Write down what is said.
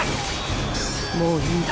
もういいんだ。